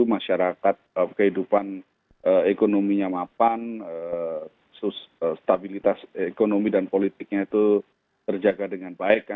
masyarakat kehidupan ekonominya mapan stabilitas ekonomi dan politiknya itu terjaga dengan baik